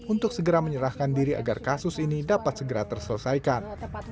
untuk segera menyerahkan diri agar kasus ini dapat segera terselesaikan